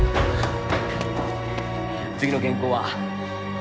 次の原稿は？